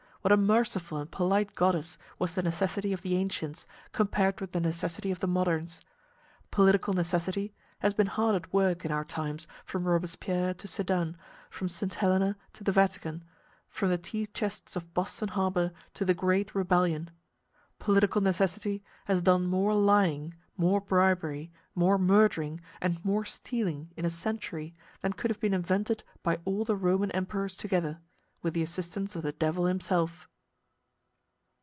What a merciful and polite goddess was the necessity of the ancients, compared with the necessity of the moderns. Political necessity has been hard at work in our times from Robespierre to Sedan, from St. Helena to the Vatican, from the Tea chests of Boston Harbor to the Great Rebellion. Political necessity has done more lying, more bribery, more murdering, and more stealing in a century, than could have been invented by all the Roman emperors together, with the assistance of the devil himself.